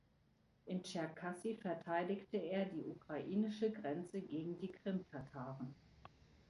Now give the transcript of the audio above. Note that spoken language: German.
In Tscherkassy verteidigte er die ukrainische Grenze gegen die Krimtataren.